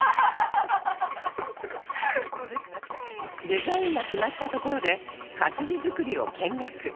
デザインが決まったところで活字作りを見学